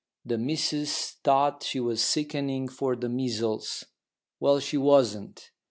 The missus thought she was sickening for the measles." "Well, she wasn't.